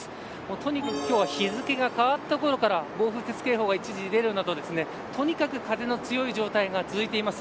とにかく今日は日付が変わったころから暴風雪警報が一時出るなどとにかく風の強い状態が続いています。